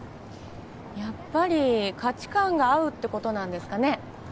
やっぱり価値観が合うってことなんですかね